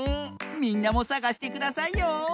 みんなもさがしてくださいよ。